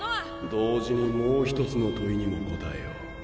・同時にもうひとつの問いにも答えよ。